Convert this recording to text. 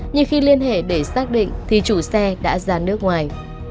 nhưng khi liên hệ để xác định thì chủ xe đã ra nước ngoài